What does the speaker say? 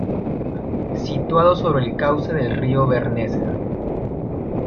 Situado sobre el cauce del río Bernesga.